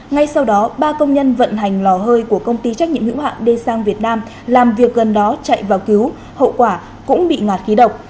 ngay sau đó ba công nhân vận hành lò hơi của công ty trách nhiệm hữu hạn d sang việt nam làm việc gần đó chạy vào cứu hậu quả cũng bị ngạt khí độc